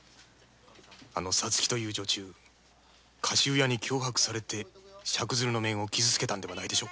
あのさつきという女中加州屋に脅迫されて赤鶴の面を傷つけたのではないでしょうか？